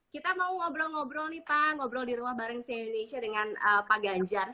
kita mau ngobrol ngobrol nih pak ngobrol di rumah bareng sian indonesia dengan pak ganjar